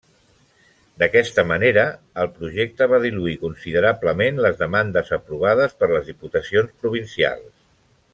D'aquesta manera, el projecte va diluir considerablement les demandes aprovades per les diputacions provincials.